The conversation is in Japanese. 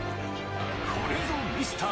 これぞミスター